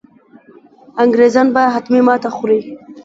انګرېزان به حتمي ماته خوري.